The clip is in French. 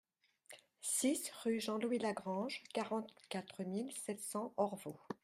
six rue Jean-Louis Lagrange, quarante-quatre mille sept cents Orvault